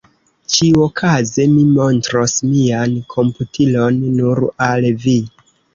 Ĉiuokaze mi montros mian komputilon nur al vi.